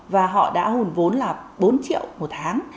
và họ đã hồn vốn là bốn triệu một tháng